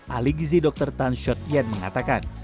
ahli gizi dokter tan shou tian mengatakan